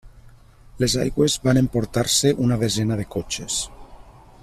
Les aigües van emportar-se una desena de cotxes.